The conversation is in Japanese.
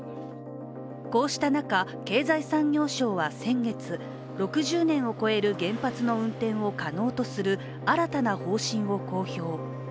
こうした中、経済産業省は先月６０年を超える原発の運転を可能とする新たな方針を公表。